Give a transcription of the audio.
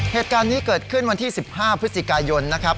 เหตุการณ์นี้เกิดขึ้นวันที่๑๕พฤศจิกายนนะครับ